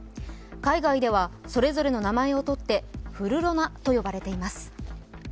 海外ではそれぞれの名前をとってフルロナと呼ばれています。